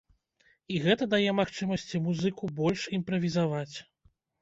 І гэта дае магчымасці музыку больш імправізаваць.